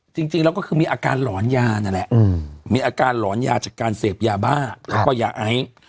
จริงแล้วก็คือมีอาการหลอนยานั่นแหละมีอาการหลอนยาจากการเสพยาบ้าแล้วก็ยาไอ